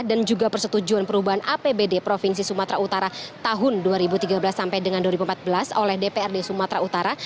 dan juga persetujuan perubahan apbd provinsi sumatera utara tahun dua ribu tiga belas dua ribu empat belas oleh dprd sumatera utara